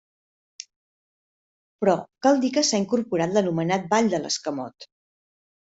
Però, cal dir que s'ha incorporat l'anomenat ball de l'escamot.